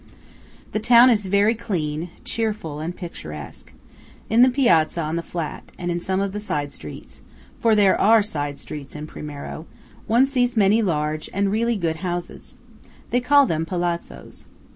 The town is very clean, cheerful and picturesque. In the piazza on the flat, and in some of the side streets (for there are side streets in Primiero), one sees many large and really good houses. They call them Palazzos.